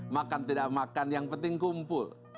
makan tidak makan yang penting kumpul